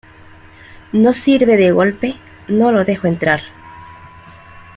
No sirve de golpe, no lo dejo entrar".